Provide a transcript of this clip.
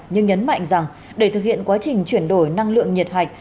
nhưng nhấn mạnh rằng để thực hiện quá trình chuyển đổi năng lượng nhiệt hạch